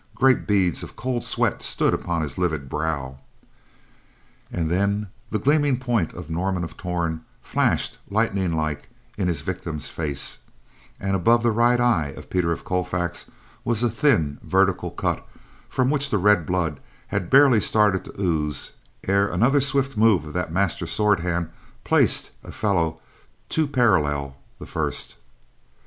Great beads of cold sweat stood upon his livid brow. And then the gleaming point of Norman of Torn flashed, lightning like, in his victim's face, and above the right eye of Peter of Colfax was a thin vertical cut from which the red blood had barely started to ooze ere another swift move of that master sword hand placed a fellow to parallel the first.